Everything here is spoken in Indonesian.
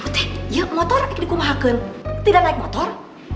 tidak naik motor